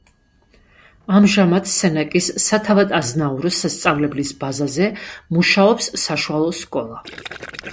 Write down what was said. ამჟამად სენაკის სათავადაზნაურო სასწავლებლის ბაზაზე მუშაობს საშუალო სკოლა.